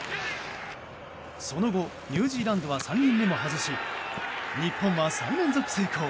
その後、ニュージーランドは３人目も外し日本は３連続成功。